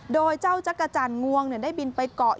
โดยเจ้าจักรจันทร์งวงได้บินไปเกาะ